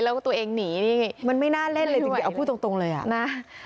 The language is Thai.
แล้วก็ตัวเองหนีนี่มันไม่น่าเล่นเลยดูสิเอาพูดตรงเลยอ่ะนะ